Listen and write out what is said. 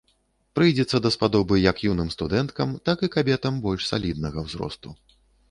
Прыйдзецца даспадобы як юным студэнткам, так і кабетам больш саліднага ўзросту.